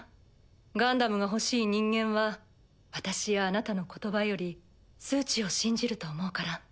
ガンダムが欲しい人間は私やあなたの言葉より数値を信じると思うから。